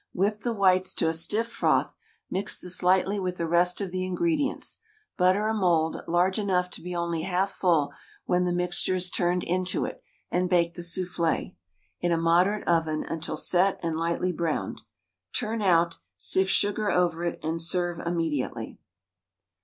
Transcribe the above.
Whip the whites to a stiff froth, mix this lightly with the rest of the ingredients, butter a mould, large enough to be only half full when the mixture is turned into it, and bake the soufflé in a moderate oven until set and lightly browned. Turn out, sift sugar over it, and serve immediately.